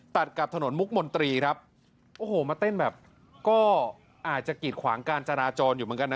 ตัดกับถนนมุกมนตรีครับโอ้โหมาเต้นแบบก็อาจจะกีดขวางการจราจรอยู่เหมือนกันนะ